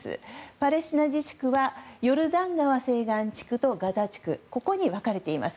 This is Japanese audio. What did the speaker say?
パレスチナ自治区はヨルダン川西岸地区とガザ地区に分かれています。